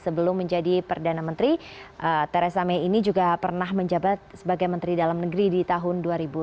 sebelum menjadi perdana menteri theresa may ini juga pernah menjabat sebagai menteri dalam negeri di tahun dua ribu sepuluh